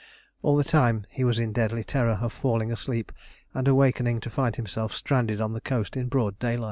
All the time he was in deadly terror of falling asleep and awaking to find himself stranded on the coast in broad daylight.